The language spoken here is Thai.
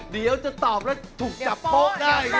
เดี๋ยวจะตอบแล้วถูกจับโป๊ะได้นะ